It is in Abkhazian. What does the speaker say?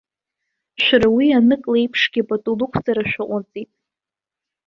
Шәара уи анык леиԥшгьы пату лықәҵара шәаҟәыҵит.